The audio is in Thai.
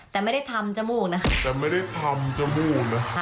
แต่ไม่ได้ทำจมูกนะคะ